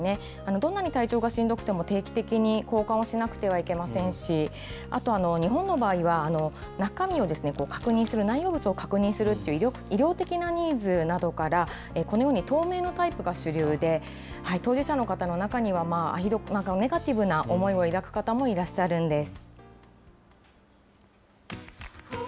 どんなに体調がしんどくても、定期的に交換をしなくてはいけませんし、あと日本の場合は、中身を確認する、内容物を確認するという、医療的なニーズなどから、このように透明のタイプが主流で、当事者の方の中には、ネガティブな思いを描く方もいらっしゃるんです。